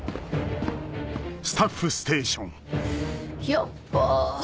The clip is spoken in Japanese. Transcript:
ヤッバ。